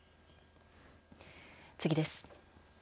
次です。